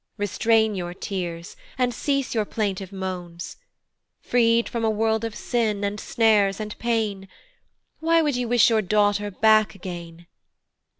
Restrain your tears, and cease your plaintive moans. Freed from a world of sin, and snares, and pain, Why would you wish your daughter back again?